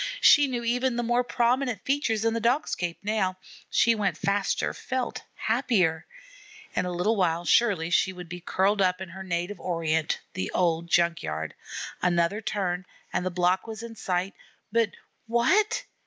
She knew even the more prominent features in the Dog scape now. She went faster, felt happier. In a little while surely she would be curled up in her native Orient the old junk yard. Another turn, and the block was in sight. But what!